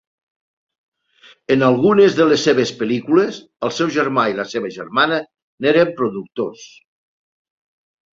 En algunes de les seves pel·lícules, el seu germà i la seva germana n"eren productors.